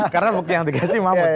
karena yang dikasih mahfud